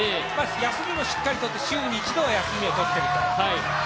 休みをしっかりとって、週に一度は休みをとっていると。